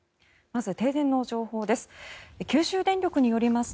まず、停電の情報です。